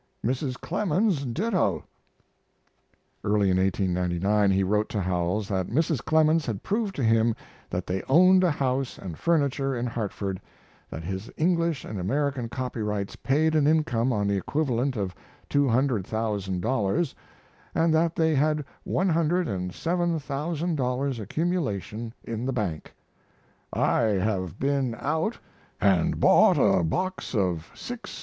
Mrs. Clemens ditto. Early in 1899 he wrote to Howells that Mrs. Clemens had proved to him that they owned a house and furniture in Hartford, that his English and American copyrights paid an income on the equivalent of two hundred thousand dollars, and that they had one hundred and seven thousand dollars' accumulation in the bank. "I have been out and bought a box of 6c.